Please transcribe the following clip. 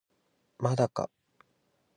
まだか